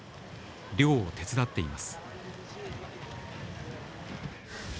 漁を手伝っています